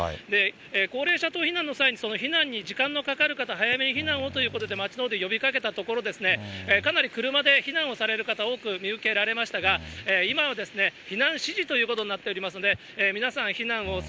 高齢者等避難の際に、避難に時間のかかる方、早めに避難をということで、町のほうで呼びかけたところ、かなり車で避難をされる方、多く見受けられましたが、今は避難指示ということになっておりますので、皆さん、避難を速